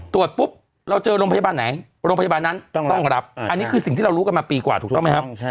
ตรวจปุ๊บเราเจอโรงพยาบาลไหนโรงพยาบาลนั้นต้องรับอันนี้คือสิ่งที่เรารู้กันมาปีกว่าถูกต้องไหมครับ